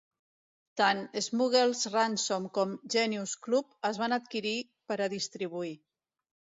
Tant "Smuggler's Ransom" com "Genius Club" es van adquirir per a distribuir.